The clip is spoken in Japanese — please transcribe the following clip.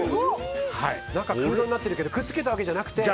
中、空洞になってるけどくっつけたわけじゃなくて？